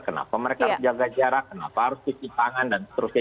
kenapa mereka harus jaga jarak kenapa harus cuci tangan dan seterusnya